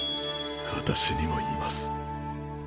私にもいます。